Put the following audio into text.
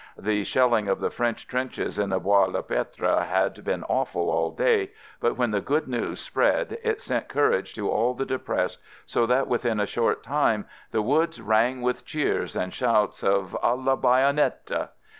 The shelling of the French trenches in the Bois le Pretre had been awful all day, but when the good news spread it sent courage to all the depressed, so that within a short time, the woods rang with cheers and shouts of "a la bay onette!"